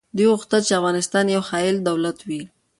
دوی غوښتل چي افغانستان یو حایل دولت وي.